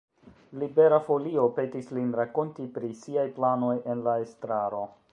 Libera Folio petis lin rakonti pri siaj planoj en la estraro.